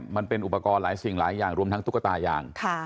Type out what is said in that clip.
มันเป็นอุปกรณ์หลายสิ่งหลายอย่างรวมทั้งตุ๊กตายาง